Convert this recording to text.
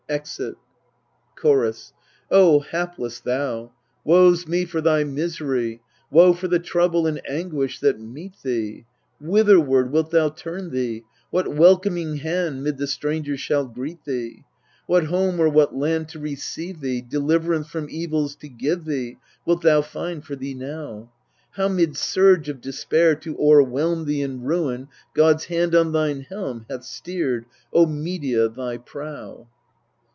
[Exit. Chorus. O hapless thou ! Woe's me for thy misery, woe for the trouble and an guish that meet thee ! Whitherward wilt thou turn thee ? what welcoming hand mid the strangers shall greet thee ? What home or what land to receive thee, deliverance from evils to give thee, Wilt thou find for thee now ? How mid surge of despair to o'erwhelm thee in ruin God's hand on thine helm Hath steered, O Medea, thy prow